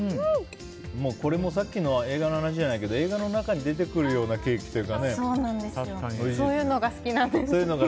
これもさっきの映画の話じゃないけど映画の中に出てくるようなそういうのが好きなんです。